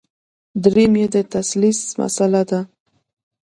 درېیم یې د تثلیث مسله ده.